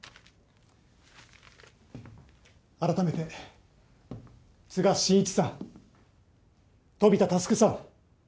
あらためて都賀真一さん飛田匡さん。